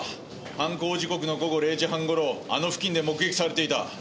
犯行時刻の午後０時半頃あの付近で目撃されていた。